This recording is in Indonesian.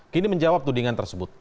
kini menjawab tudingan tersebut